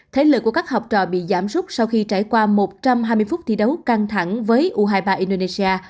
thế lực của các học trò bị giảm rút sau khi trải qua một trăm hai mươi phút thi đấu căng thẳng với u hai mươi ba indonesia